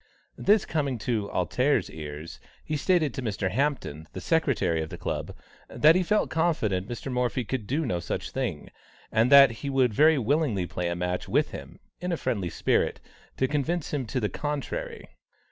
This coming to "Alter's" ears, he stated to Mr. Hampton, the secretary of the Club, that he felt confident Mr. Morphy could do no such thing, and that he would very willingly play a match with him, in a friendly spirit, to convince him to the contrary.